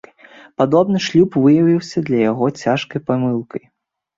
Падобны шлюб выявіўся для яго цяжкай памылкай.